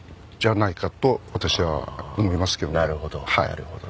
なるほど。